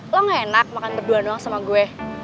lo gak enak makan berdua doang sama gue